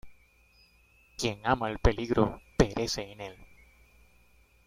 ¡ quien ama el peligro perece en él!